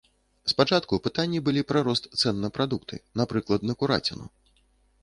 Спачатку пытанні былі пра рост цэн на прадукты, напрыклад, на кураціну.